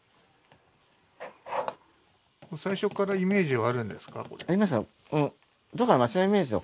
最初からイメージはあるんですか？